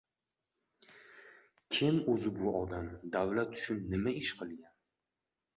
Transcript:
Kim oʻzi bu odam, davlat uchun nima ish qilgan?